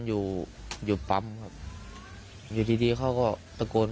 แต่ก็ยืนยันว่าเราไม่เคยรู้จักกับคนของนี้เนอะ